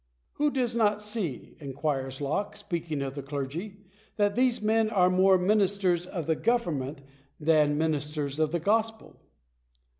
" Who does not see/' inquires Locke, speaking of the clergy, " that these men are more ministers of the government than ministers of the gospel